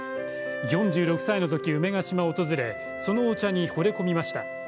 ４６歳の時、梅ケ島を訪れそのお茶にほれ込みました。